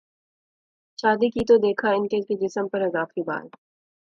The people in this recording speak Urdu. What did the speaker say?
شادی کی تو دیکھا کہ ان کے جسم پراضافی بال